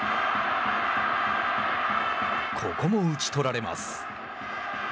ここも打ち取られます。